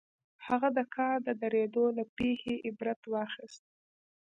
هغه د کار د درېدو له پېښې عبرت واخيست.